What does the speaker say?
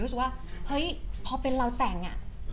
รู้สึกว่าเฮ้ยพอเป็นเราแต่งอ่ะ